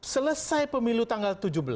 selesai pemilu tanggal tujuh belas